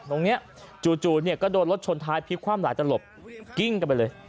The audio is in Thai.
ตรงนี้จู่เนี่ยก็โดนรถชนท้ายพลิกความหลายตลบกิ้งกันไปเลย